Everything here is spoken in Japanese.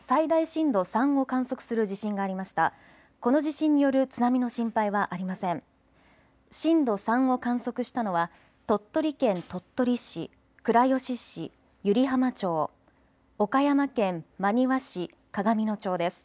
震度３を観測したのは鳥取県鳥取市、倉吉市、湯梨浜町、岡山県真庭市、鏡野町です。